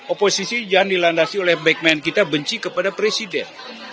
oposisi jangan dilandasi oleh backman kita benci kepada presiden